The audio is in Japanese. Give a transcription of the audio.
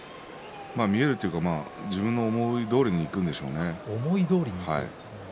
見えるというか自分の思いどおりにいくんでしょうね。